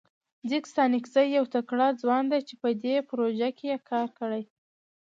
ځیګ ستانکزی یو تکړه ځوان ده چه په دې پروژه کې یې کار کړی.